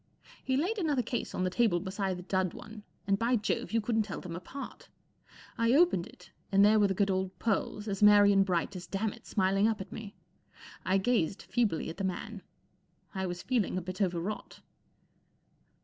: He laid another case on the table beside the dud one, and, by Jove, you couldn't tell them apart. I opened it, and there were the good old pearls, as merry and bright as dammit, smiling up at me. I gazed feebly at the man. I was feeling a bit overwrought.